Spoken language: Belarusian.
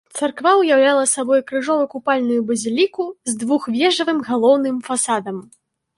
Царква уяўляла сабой крыжова-купальную базіліку з двухвежавым галоўным фасадам.